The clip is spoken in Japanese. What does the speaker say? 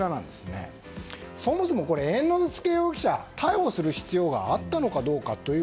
そもそも猿之助容疑者逮捕する必要があったのかどうか。